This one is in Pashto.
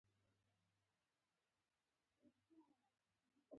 دوی منتظر وو چې کله به د وچې میوې برخه راشي.